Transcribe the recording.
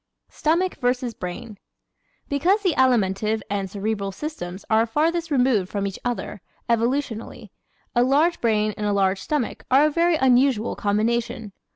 Stomach vs. Brain ¶ Because the Alimentive and Cerebral systems are farthest removed from each other, evolutionally, a large brain and a large stomach are a very unusual combination.